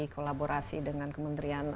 kolaborasi dengan kementerian